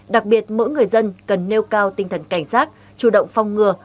đặc biệt mỗi người dân cần nêu cao tinh thần cảnh giác chủ động phong ngừa